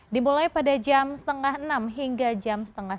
dimulai pada jam setengah enam hingga jam setengah